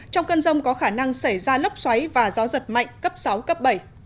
trong cơn rông có khả năng xảy ra lốc xoáy và gió giật mạnh cấp sáu cấp bảy